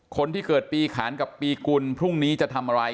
คนที่เกิดปีขานกับปีกุลพรุ่งนี้จะทำอะไร